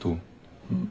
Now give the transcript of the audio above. うん。